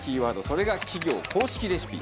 それが「企業公式レシピ」。